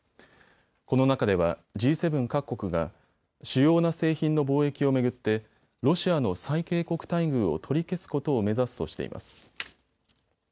この中ではＧ７各国が主要な製品の貿易を巡ってロシアの最恵国待遇を取り消すことを目指すとしています。